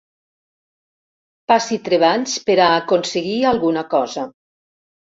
Passi treballs per a aconseguir alguna cosa.